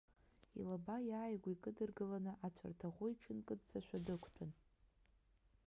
Илаба иааигәа икыдыргыланы, ацәарҭаӷәы, иҽынкыдҵашәа, дықәтәан.